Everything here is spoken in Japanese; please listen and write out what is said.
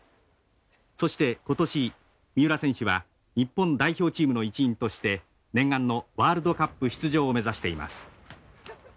そして今年三浦選手は日本代表チームの一員として念願のワールドカップ出場を目指しています。